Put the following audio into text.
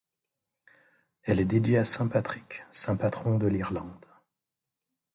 Elle est dédiée à saint Patrick, saint patron de l'Irlande.